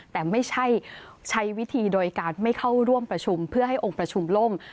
แต่ไม่ใช่ใช้วิธีโดยการไม่เข้าร่วมประชุม